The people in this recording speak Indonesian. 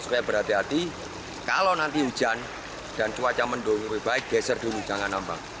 supaya berhati hati kalau nanti hujan dan cuaca mendung lebih baik geser dulu jangan nambang